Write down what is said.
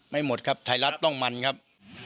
ไม่หมดครับไทยรัฐต้องมันครับ